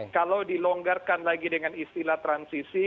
kalau dilonggarkan lagi dengan istilah transisi